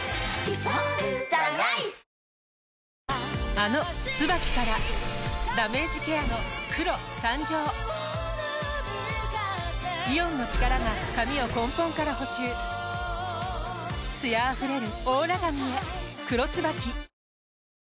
あの「ＴＳＵＢＡＫＩ」からダメージケアの黒誕生イオンの力が髪を根本から補修艶あふれるオーラ髪へ「黒ＴＳＵＢＡＫＩ」